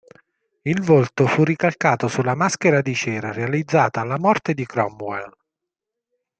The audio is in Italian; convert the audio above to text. Il volto fu ricalcato sulla maschera di cera, realizzata alla morte di Cromwell.